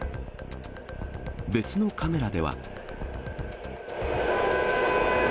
別のカメラでは。